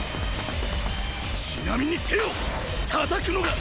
ちなみに手をたたくのが。